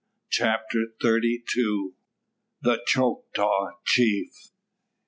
CHAPTER THIRTY TWO. THE "CHOCTAW CHIEF."